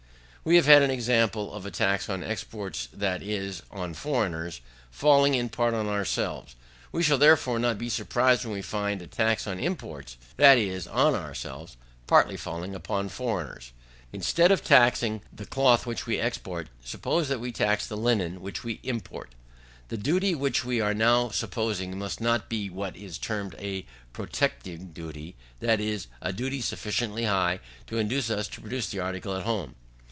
5. We have had an example of a tax on exports, that is, on foreigners, falling in part on ourselves. We shall, therefore, not be surprised if we find a tax on imports, that is, on ourselves, partly falling upon foreigners. Instead of taxing the cloth which we export, suppose that we tax the linen which we import. The duty which we are now supposing must not be what is termed a protecting duty, that is, a duty sufficiently high to induce us to produce the article at home.